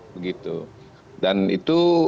begitu dan itu